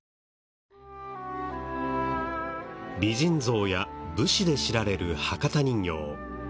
美人像や武士で知られる博多人形。